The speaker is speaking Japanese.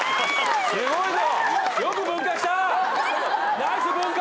すごいぞ！